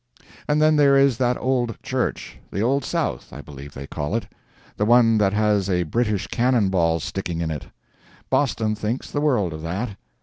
And then there is that old church—the Old South, I believe, they call it—the one that has a British cannon ball sticking in it. Boston thinks the world of that.